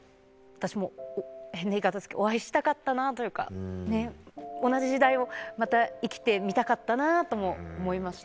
私も、変な言い方ですけど、お会いしたかったなというかね、同じ時代をまた、生きてみたかったなとも思いました。